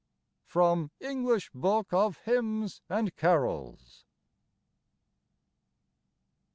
From English Book of Hymns and Carols.